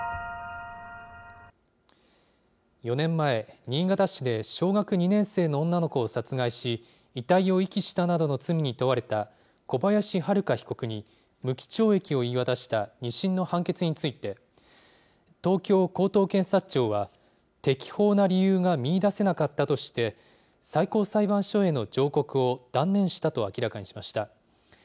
４年前、新潟市で小学２年生の女の子を殺害し、遺体を遺棄したなどの罪に問われた小林遼被告に無期懲役を言い渡した２審の判決について、東京高等検察庁は、適法な理由が見いだせなかったとして、最高裁判所への上告を断念したと明らかにしました。